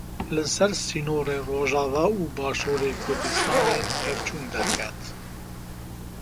Li ser sînorê Rojava û Başûrê Kurdistanê pevçûn derket.